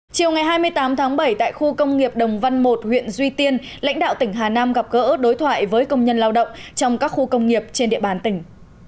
chiều ngày hai mươi tám tháng bảy tại khu công nghiệp đồng văn một huyện duy tiên lãnh đạo tỉnh hà nam gặp gỡ đối thoại với công nhân lao động trong các khu công nghiệp trên địa bàn tỉnh